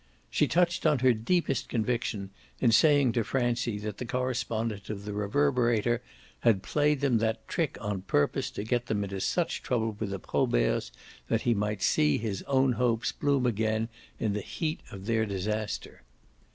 She had touched on her deepest conviction in saying to Francie that the correspondent of the Reverberator had played them that trick on purpose to get them into such trouble with the Proberts that he might see his own hopes bloom again in the heat of their disaster.